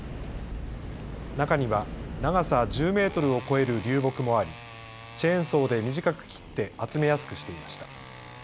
中には長さ１０メートルを超える流木もありチェーンソーで短く切って集めやすくしていました。